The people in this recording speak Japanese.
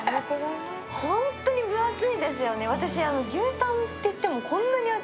ホントに分厚いですよね。